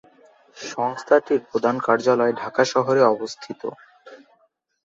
সংস্থাটির প্রধান কার্যালয় ঢাকা শহরে অবস্থিত।